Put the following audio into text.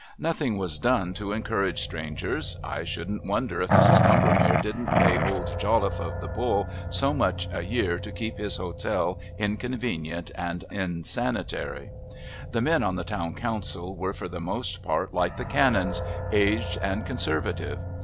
Nothing was done to encourage strangers; I shouldn't wonder if Mrs. Combermere didn't pay old Jolliffe of "The Bull" so much a year to keep his hotel inconvenient and insanitary. The men on the Town Council were for the most part like the Canons, aged and conservative.